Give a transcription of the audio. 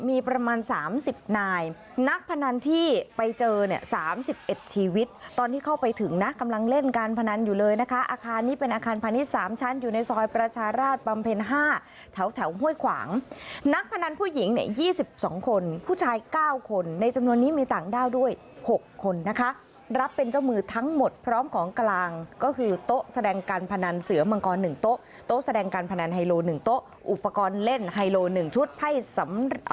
มีประมาณ๓๐นายนักพนันที่ไปเจอเนี่ย๓๑ชีวิตตอนที่เข้าไปถึงนะกำลังเล่นการพนันอยู่เลยนะคะอาคารนี้เป็นอาคารพนิษฐ์๓ชั้นอยู่ในซอยประชาราชปัมเพ็ญ๕แถวห้วยขวางนักพนันผู้หญิง๒๒คนผู้ชาย๙คนในจำนวนนี้มีต่างด้าวด้วย๖คนนะคะรับเป็นเจ้ามือทั้งหมดพร้อมของกลางก็คือโต๊ะแสดงการพนันเสือมั